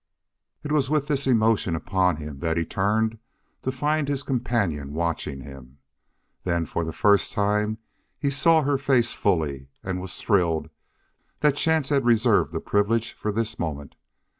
It was with this emotion upon him that he turned to find his companion watching him. Then for the first time he saw her face fully, and was thrilled that chance had reserved the privilege for this moment.